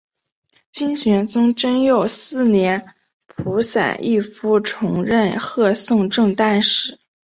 金宣宗贞佑四年仆散毅夫充任贺宋正旦使。